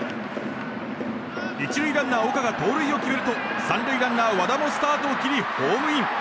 １塁ランナー岡が盗塁を決めると３塁ランナー和田もスタートを切りホームイン！